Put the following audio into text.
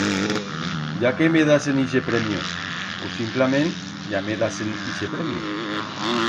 Ya que me dasen ixe premio!, U simplament, ya me dasen ixe premio!